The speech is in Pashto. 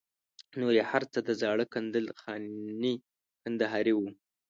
نور یې هر څه د زاړه کندل خاني کندهاري وو.